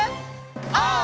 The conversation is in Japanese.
オー！